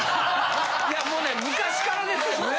いやもうね昔からですよ。